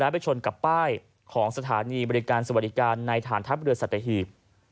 ป้ายของสถานีบริการสวัสดิการในฐานทัพเรือสัตเทฮีบ